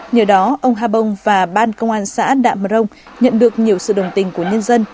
nhờ đó ông ha bông và ban công an xã đạm rồng nhận được nhiều sự đồng tình của nhân dân